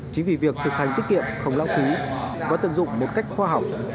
chính vì việc thực hành tiết kiệm không lãng phí và tận dụng một cách khoa học